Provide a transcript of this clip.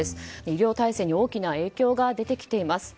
医療体制に大きな影響が出てきています。